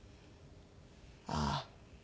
ああ。